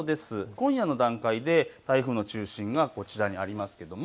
今夜の段階で台風の中心がこちらにあります。